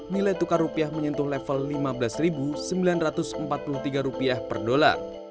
nilai tukar rupiah menyentuh level rp lima belas sembilan ratus empat puluh tiga per dolar